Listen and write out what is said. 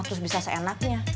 terus bisa seenaknya